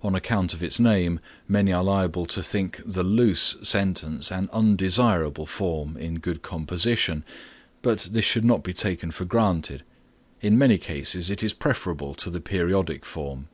On account of its name many are liable to think the loose sentence an undesirable form in good composition, but this should not be taken for granted. In many cases it is preferable to the periodic form.